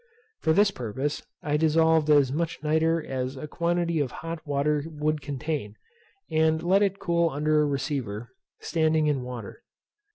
For this purpose I dissolved as much nitre as a quantity of hot water would contain, and let it cool under a receiver, standing in water.